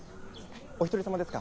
お一人様ですか？